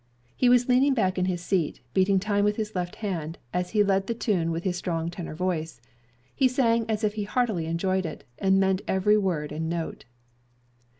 He was leaning back in his seat, beating time with his left hand, as he led the tune with his strong tenor voice. He sang as if he heartily enjoyed it, and meant every word and note.